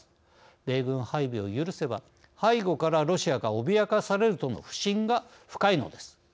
米軍配備を許せば背後からロシアが脅かされるとの不信が深いのです。